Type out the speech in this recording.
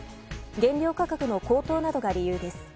原料価格の高騰などが理由です。